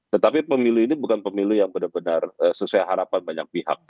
tetapi pemilu ini bukan pemilu yang benar benar sesuai harapan banyak pihak